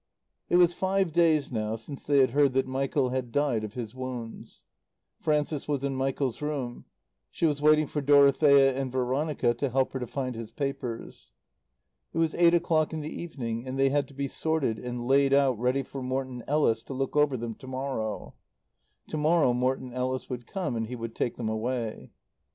It was five days now since they had heard that Michael had died of his wounds. Frances was in Michael's room. She was waiting for Dorothea and Veronica to help her to find his papers. It was eight o'clock in the evening, and they had to be sorted and laid out ready for Morton Ellis to look over them to morrow. To morrow Morton Ellis would come, and he would take them away.